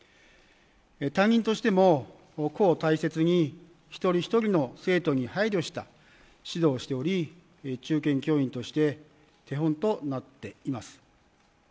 担任としても、個を大切に一人ひとりの生徒に配慮した指導をしており、中堅教員として手本となっています。